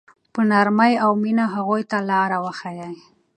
په نرمۍ او مینه هغوی ته لاره وښایئ.